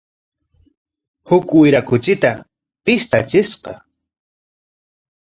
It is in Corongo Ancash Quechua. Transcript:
Huk wira kuchita pishtachishqa.